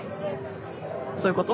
そういうこと。